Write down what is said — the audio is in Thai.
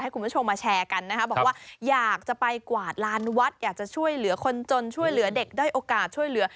การเนวตแบบนี้